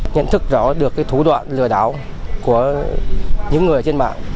nhận thức rõ được thủ đoạn lừa đảo của những người trên mạng